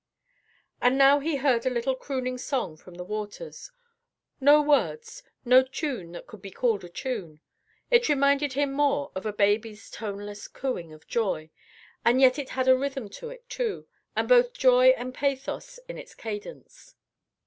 And now he heard a little crooning song from the waters no words, no tune that could be called a tune. It reminded him more of a baby's toneless cooing of joy, and yet it had a rhythm to it, too, and both joy and pathos in its cadence.